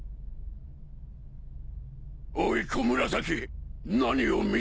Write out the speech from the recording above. おい小紫何を見ている！？